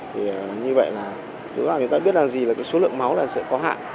thì như vậy là chúng ta biết là gì là cái số lượng máu là sẽ có hạn